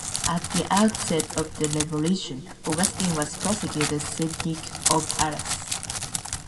At the outset of the Revolution, Augustin was prosecutor-syndic of Arras.